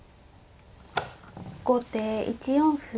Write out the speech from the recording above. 後手１四歩。